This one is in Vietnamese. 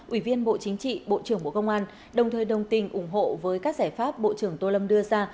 ủy viên bộ chính trị bộ trưởng bộ công an đồng thời đồng tình ủng hộ với các giải pháp bộ trưởng tô lâm đưa ra